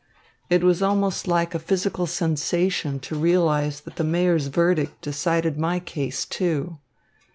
It was almost like a physical sensation to realise that the Mayor's verdict decided my case, too."